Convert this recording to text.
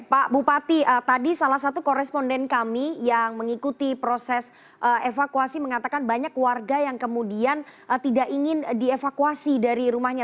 pak bupati tadi salah satu koresponden kami yang mengikuti proses evakuasi mengatakan banyak warga yang kemudian tidak ingin dievakuasi dari rumahnya